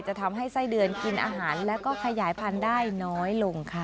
ทำให้ไส้เดือนกินอาหารแล้วก็ขยายพันธุ์ได้น้อยลงค่ะ